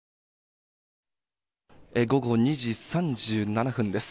午後２時３７分です。